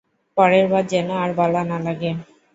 পরের বার যেন আর বলা না লাগে!